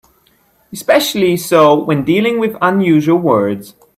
Especially so when dealing with unusual words.